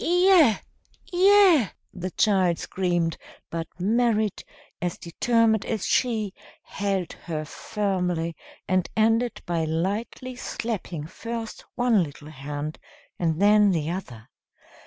"Iya, Iya!" the child screamed; but Merrit, as determined as she, held her firmly, and ended by lightly slapping first one little hand and then the other.